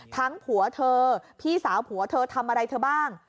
ผัวเธอพี่สาวผัวเธอทำอะไรเธอบ้าง